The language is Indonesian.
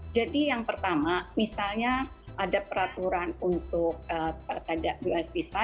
jadi yang pertama misalnya ada peraturan untuk ada us visa